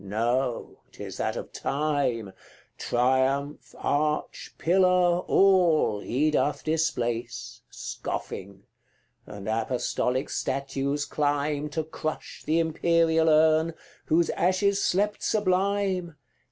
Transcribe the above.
No; 'tis that of Time: Triumph, arch, pillar, all he doth displace, Scoffing; and apostolic statues climb To crush the imperial urn, whose ashes slept sublime, CXI.